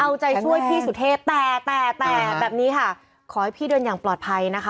เอาใจช่วยพี่สุเทพแต่แต่แต่แบบนี้ค่ะขอให้พี่เดินอย่างปลอดภัยนะคะ